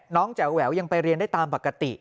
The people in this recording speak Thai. แจ๋วแหววยังไปเรียนได้ตามปกติ